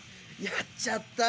やっちゃった。